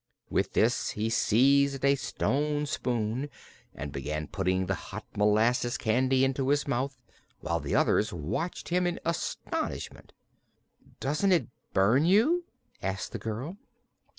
With this he seized a stone spoon and began putting the hot molasses candy into his mouth, while the others watched him in astonishment. "Doesn't it burn you?" asked the girl.